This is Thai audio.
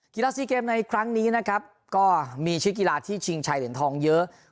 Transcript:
กีฬาซีเกมในครั้งนี้นะครับก็มีชื่อกีฬาที่ชิงชายเหรียญทองเยอะ